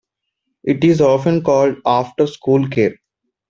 It is often called After School Care.